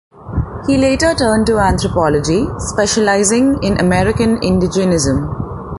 He later turned to anthropology, specializing in American Indigenism.